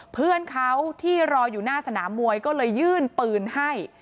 เพื่อนเขาที่รออยู่หน้าสนามมวยก็เลยยื่นปืนให้